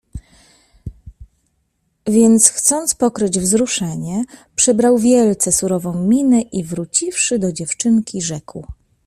Więc chcąc pokryć wzruszenie przybrał wielce surową minę i wróciwszy do dziewczynki rzekł.